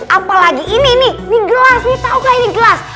apalagi ini nih ini gelas nih tau gak ini gelas